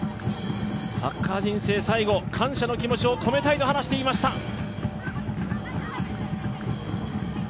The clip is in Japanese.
サッカー人生最後、感謝の気持ちを込めたいと話していました。